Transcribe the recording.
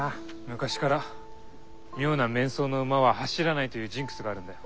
昔から妙な面相な馬は走らないというジンクスがあるんだよ。